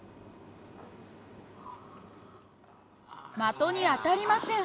的に当たりません。